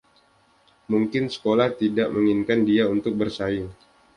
Mungkin sekolah tidak menginginkan dia untuk bersaing.